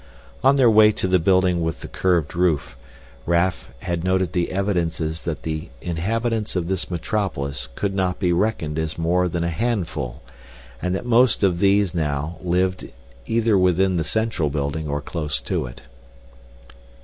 On their way to the building with the curved roof, Raf had noted the evidences that the inhabitants of this metropolis could not be reckoned as more than a handful and that most of these now lived either within the central building or close to it.